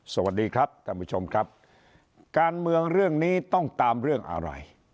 สวัสดีครับท่านผู้ชมครับการเมืองเรื่องนี้ต้องตามเรื่องอะไร